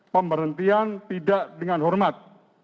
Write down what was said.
pemberhentian tidak dengan hormat